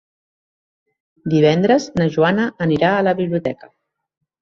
Divendres na Joana anirà a la biblioteca.